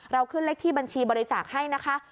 ขึ้นเลขที่บัญชีบริจาคให้นะคะ